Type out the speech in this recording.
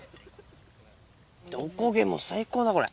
おこげも最高だこれ。